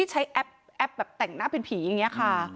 ใช้แอปแบบแต่งหน้าเป็นผีอย่างนี้ค่ะ